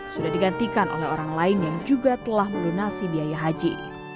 sudah digantikan oleh orang lain yang juga telah melunasi biaya haji